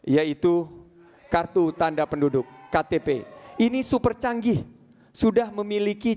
yaitu kartu tanda penduduk ktp ini super canggih sudah memiliki